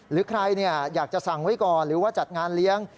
หรือใครอยากจะสั่งไว้ก่อนหรือว่าจัดงานเลี้ยง